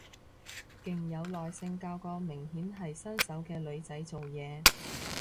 勁有耐性教個明顯係新手嘅女仔做嘢